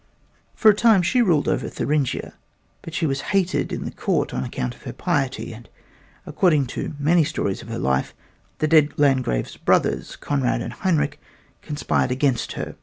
For a time she ruled over Thuringia, but she was hated in the court on account of her piety, and according to many stories of her life, the dead Landgrave's brothers, Conrad and Heinrich, conspired against her.